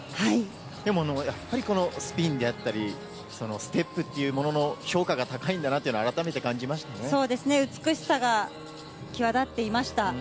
でも、やっぱりこのスピンであったり、ステップっていうものの評価が高いんだなというのは改めて感じまそうですね、美しさが際立っていました。